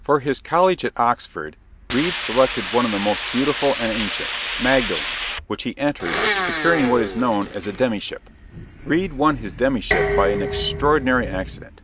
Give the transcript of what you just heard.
For his college at Oxford, Reade selected one of the most beautiful and ancient Magdalen which he entered, securing what is known as a demyship. Reade won his demyship by an extraordinary accident.